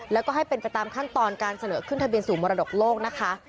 แล้วก็ให้เป็นไปตามขั้นตอนการเสนอขึ้นทะเบียนสู่มรดกโลกนะคะ